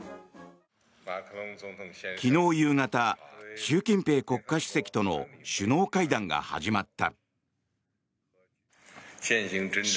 昨日夕方、習近平国家主席との首脳会談が始まった。